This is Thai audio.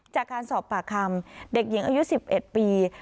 จากการสอบปากคำเด็กหญิงอายุ๑๑ปี